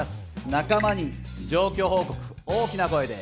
仲間に状況報告大きな声で。